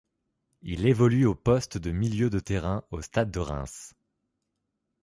Il évolue au poste de milieu de terrain au Stade de Reims.